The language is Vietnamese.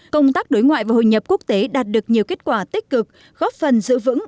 công tác đối ngoại và hội nhập quốc tế đạt được nhiều kết quả tích cực góp phần giữ vững